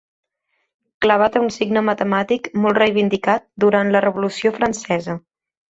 Clavat a un signe matemàtic molt reivindicat durant la Revolució Francesa.